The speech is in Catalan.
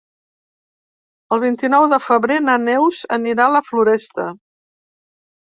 El vint-i-nou de febrer na Neus anirà a la Floresta.